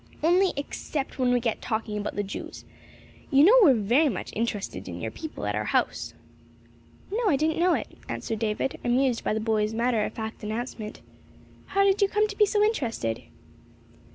"Only except when we get to talking about the Jews. You know we are very much interested in your people at our house." "No, I didn't know it," answered David, amused by the boy's matter of fact announcement. "How did you come to be so interested?"